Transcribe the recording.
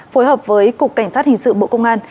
phối hợp với cục cảnh sát hình sự bộ công an